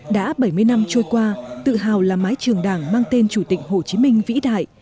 đã bảy mươi năm trôi qua tự hào là mái trường đảng mang tên chủ tịch hồ chí minh vĩ đại